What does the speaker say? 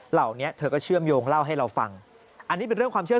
เหล่านี้เธอก็เชื่อมโยงเล่าให้เราฟังอันนี้เป็นเรื่องความเชื่อ